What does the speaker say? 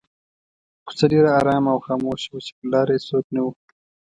کوڅه ډېره آرامه او خاموشه وه چې پر لاره یې څوک نه وو.